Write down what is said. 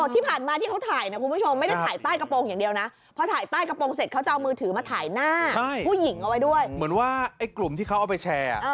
อ๋อที่ผ่านมาที่เขาถ่ายนะคุณผู้ชม